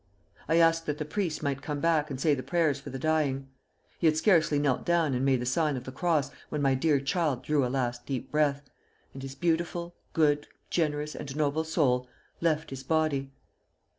I asked that the priest might come back and say the prayers for the dying. He had scarcely knelt down and made the sign of the cross, when my dear child drew a last deep breath, and his beautiful, good, generous, and noble soul left his body....